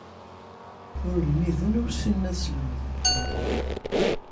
Ur lmiden, ur ssinen ad slemden.